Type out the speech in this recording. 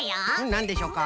なんでしょうか？